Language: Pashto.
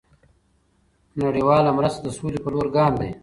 دเงินบาทไทย نړیوال مرسته د سولې په لور ګام دی.